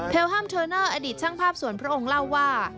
ฮัมเทอร์เนอร์อดีตช่างภาพสวนพระองค์เล่าว่า